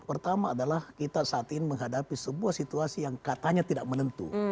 pertama adalah kita saat ini menghadapi sebuah situasi yang katanya tidak menentu